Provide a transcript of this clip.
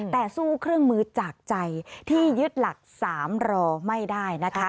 แต่สู้เครื่องมือจากใจที่ยึดหลัก๓รอไม่ได้นะคะ